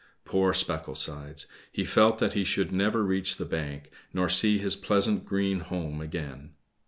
Poor Specklesides! he felt that he should never reach the bank, nor see his pleasant green home again.